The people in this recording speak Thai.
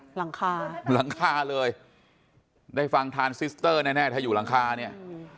หลังคาหลังคาเลยได้ฟังทานซิสเตอร์แน่ถ้าอยู่หลังคาเนี่ย